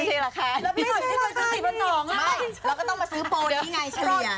ไม่เราก็ต้องมาซื้อโป้นไปกันเลย